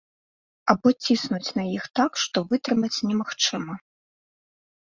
Або ціснуць на іх так, што вытрымаць немагчыма.